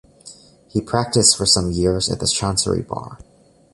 He practiced for some years at the Chancery Bar.